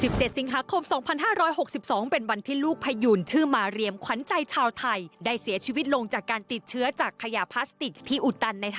สิงหาคมสองพันห้าร้อยหกสิบสองเป็นวันที่ลูกพยูนชื่อมาเรียมขวัญใจชาวไทยได้เสียชีวิตลงจากการติดเชื้อจากขยะพลาสติกที่อุตัน